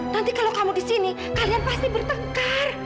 nanti kalau kamu di sini kalian pasti bertengkar